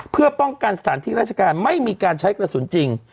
เพื่อป้องกันสถานที่ราชการไม่มีการใช้กระสุนจริง